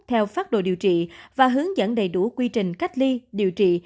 theo phát đồ điều trị và hướng dẫn đầy đủ quy trình cách ly điều trị